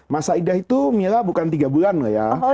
masa idah itu mila bukan tiga bulan lah ya